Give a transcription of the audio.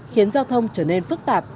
khiến giao thông trở nên phức tạp